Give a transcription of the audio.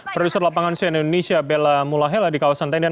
produser lapangan sian indonesia bella mulahela di kawasan tendian